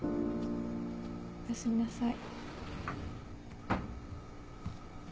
おやすみなさい。